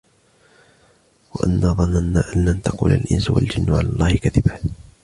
وَأَنَّا ظَنَنَّا أَنْ لَنْ تَقُولَ الْإِنْسُ وَالْجِنُّ عَلَى اللَّهِ كَذِبًا